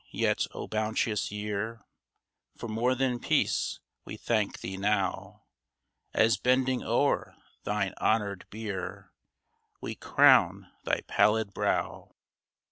Yet, O bounteous year, For more than Peace we thank thee now, As bending o'er thine honored bier, We crown thy pallid brow